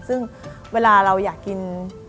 ซึ่งเวลาเราอยากกิน